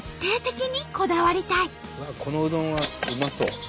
このうどんはうまそう。